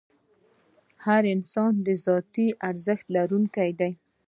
هر انسان د ذاتي ارزښت لرونکی دی.